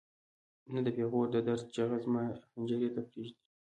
نه د پېغور د درد چیغه زما حنجرې ته پرېږدي.